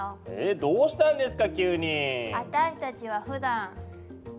どうしたんですか？